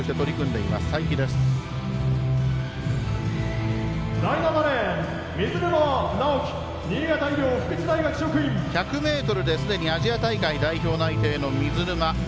１００ｍですでにアジア大会代表内定の水沼。